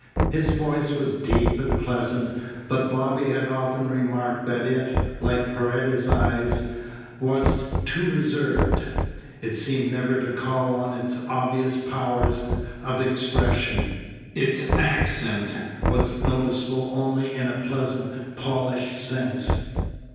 His voice was deep and pleasant, but Bobby had often remarked that it, like Paredes's eyes, was too reserved. It seemed never to call on its obvious powers of expression. Its accent was noticeable only in a pleasant, polished sense.